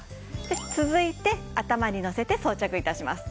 続いて頭にのせて装着致します。